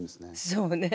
そうね。